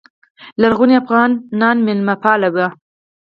لرغوني افغانان میلمه پال وو